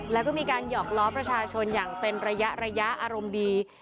แล้วก็มีการหยอกล้อประชาชนอย่างเป็นระยะอารมณ์ดี